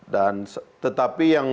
dan tetapi yang